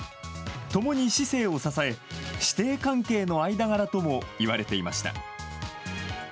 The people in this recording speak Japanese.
ともに市政を支え、師弟関係の間柄とも言われていました。